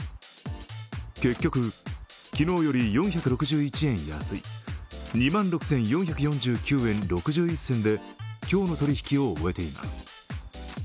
結局、昨日より４６１円安い２万６４４９円６１銭で今日の取引を終えています。